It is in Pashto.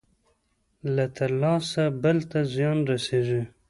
له لاسه بل ته زيان رسېږي.